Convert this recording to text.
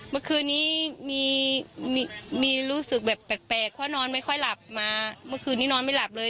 เมื่อคืนนี้มีรู้สึกแบบแปลกเพราะนอนไม่ค่อยหลับมาเมื่อคืนนี้นอนไม่หลับเลย